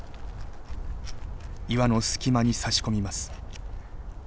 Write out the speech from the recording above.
岩の隙間に差し込みます。